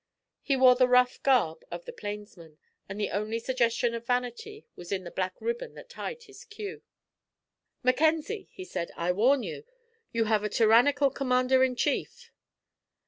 He wore the rough garb of the plainsman, and the only suggestion of vanity was in the black ribbon that tied his queue. "Mackenzie," he said, "I warn you. You have a tyrannical commander in chief."